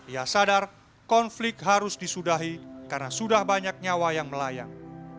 ia sadar konflik harus disudahi karena sudah banyak nyawa yang melayang